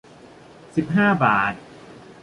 สิบห้าบาท